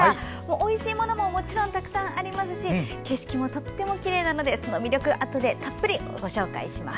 おいしいものももちろんたくさんありますし景色もとってもきれいなのでその魅力、あとでたっぷり紹介します。